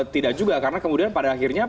tidak juga karena kemudian pada akhirnya